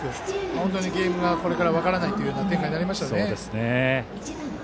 本当にゲームは、これから分からないという展開になりましたね。